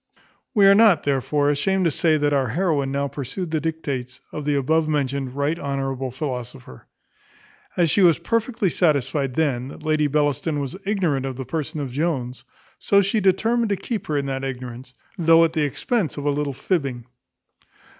We are not, therefore, ashamed to say, that our heroine now pursued the dictates of the above mentioned right honourable philosopher. As she was perfectly satisfied then, that Lady Bellaston was ignorant of the person of Jones, so she determined to keep her in that ignorance, though at the expense of a little fibbing.